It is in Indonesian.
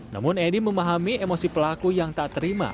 namun edi memahami emosi pelaku yang tak terima